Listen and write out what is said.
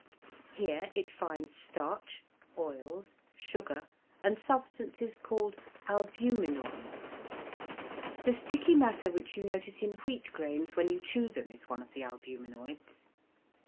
Here it finds starch, oils, sugar, and substances called albuminoids, the sticky matter which you notice in wheat grains when you chew them is one of the albuminoids.